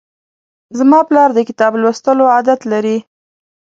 زما پلار د کتاب د لوستلو عادت لري.